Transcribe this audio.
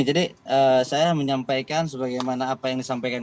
jadi saya menyampaikan sebagaimana apa yang disampaikan